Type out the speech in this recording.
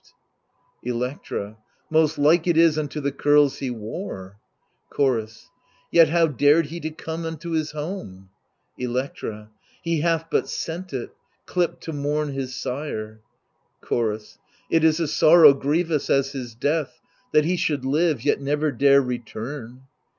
90 THE LIBATION BEARERS Electra Most like it is unto the curls he wore; Chorus Yet how dared he to come unto his home ? Electra He hath but sent it, dipt to mourn his sire. Chorus It is a sorrow grievous as his death, That he should live yet never dare return.